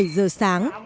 bảy giờ sáng